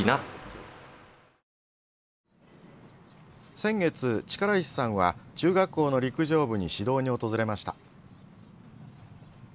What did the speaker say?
先月、力石さんは中学校の陸上部に指導に訪れました。